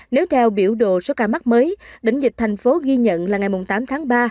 nếu theo biểu đồ số ca mắc mới đỉnh dịch thành phố ghi nhận là ngày tám tháng ba